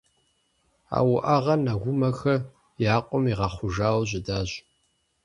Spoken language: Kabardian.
А уӀэгъэр Нэгумэхэ я къуэм игъэхъужауэ щытащ.